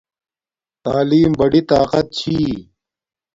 تعلیم بڑی طاقت چھی